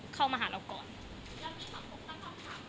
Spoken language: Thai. สวัสดีครับ